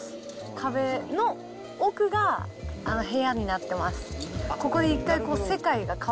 壁の奥が部屋になってます。